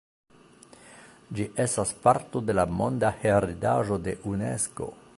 Ĝi estas parto de la monda heredaĵo de Unesko.